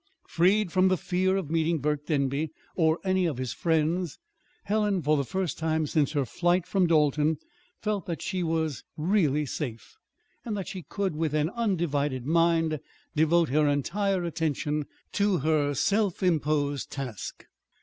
Freed from the fear of meeting Burke Denby or any of his friends, Helen, for the first time since her flight from Dalton, felt that she was really safe, and that she could, with an undivided mind, devote her entire attention to her self imposed task.